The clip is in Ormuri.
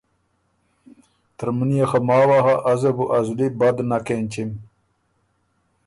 ترمُن يې خه ماوه هۀ ازه بو ا زلی بد نک اېنچِم،